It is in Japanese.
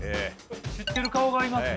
知ってる顔がいますね。